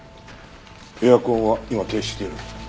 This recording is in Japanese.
エアコンは今停止している。